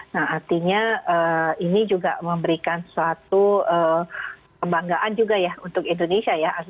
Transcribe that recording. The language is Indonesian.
nah artinya ini juga memberikan suatu kebanggaan juga ya untuk indonesia ya